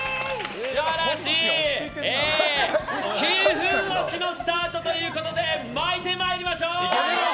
９分押しのスタートということで巻いてまいりましょう！